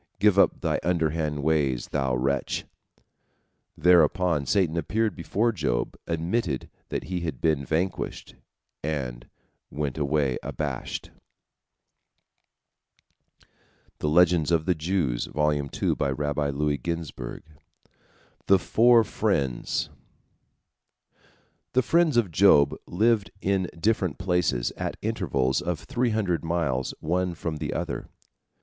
Give up thy underhand ways, thou wretch." Thereupon Satan appeared before Job, admitted that he had been vanquished, and went away abashed. THE FOUR FRIENDS The friends of Job lived in different places, at intervals of three hundred miles one from the other.